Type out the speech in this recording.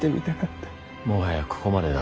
もはやここまでだ。